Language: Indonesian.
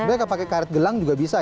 sebenarnya pakai karet gelang juga bisa ya